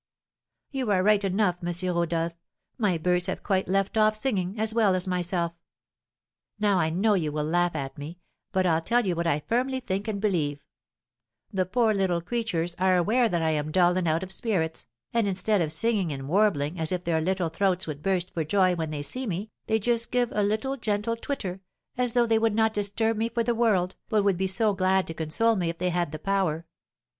"You are right enough, M. Rodolph, my birds have quite left off singing, as well as myself. Now I know you will laugh at me, but I'll tell you what I firmly think and believe, the poor little creatures are aware that I am dull and out of spirits, and instead of singing and warbling as if their little throats would burst for joy when they see me, they just give a little gentle twitter, as though they would not disturb me for the world, but would be so glad to console me if they had the power.